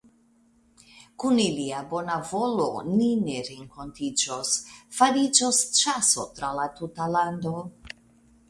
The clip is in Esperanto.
Kun ilia bona volo ni ne renkontiĝos; fariĝos ĉaso tra la tuta lando.